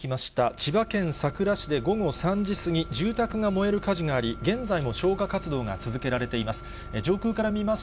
千葉県佐倉市で午後３時過ぎ、住宅が燃える火事があり、現在も消火活動が続けられています。